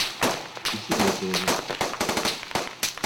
И себе тоже.